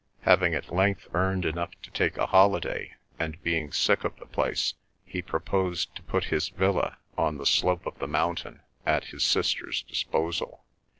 Having at length earned enough to take a holiday, and being sick of the place, he proposed to put his villa, on the slope of the mountain, at his sister's disposal.